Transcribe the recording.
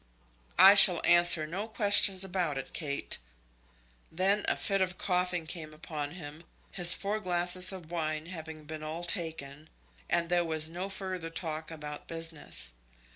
"I shall answer no questions about it, Kate." Then a fit of coughing came upon him, his four glasses of wine having been all taken, and there was no further talk about business.